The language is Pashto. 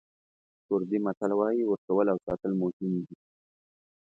کوردي متل وایي ورکول او ساتل مهم دي.